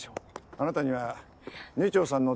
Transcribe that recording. あなたには二丁さんの全財産